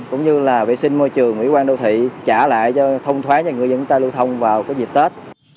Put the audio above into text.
cũng như vệ sinh môi trường ủy quan đô thị trả lại thông thoái cho người dân lưu thông vào dịp tết